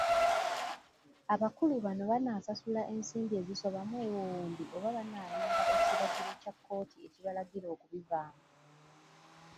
Abakulu bano banaasasula ensimbi ezisoba mu buwumbi oba banaalinda ekiragiro kya kkooti ekibalagira okubivaamu?